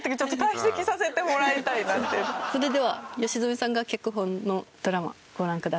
だからそれでは吉住さんが脚本のドラマご覧ください。